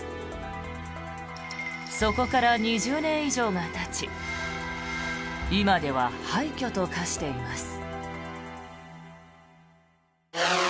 そこから２０年以上がたち今では廃虚と化しています。